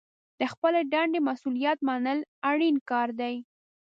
د خپلې دندې مسوولیت منل اړین کار دی.